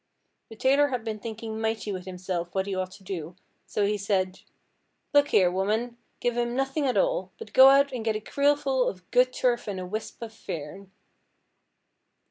The tailor had been thinking mighty with himself what he ought to do, so he said: 'Look here, woman, give him nothing at all, but go out an' get a creelful of good turf an' a whisp of feern.'